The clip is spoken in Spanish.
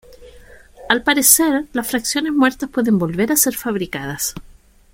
Al parecer, las Fracciones muertas pueden volver a ser fabricadas.